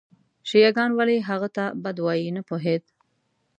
شیعه ګان ولې هغه ته بد وایي نه پوهېد.